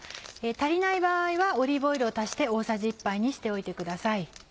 足りない場合はオリーブオイルを足して大さじ１杯にしておいてください。